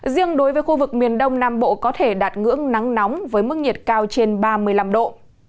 riêng đối với khu vực miền đông nam bộ có thể đạt ngưỡng nắng nóng với mức nhiệt cao trên ba mươi năm độ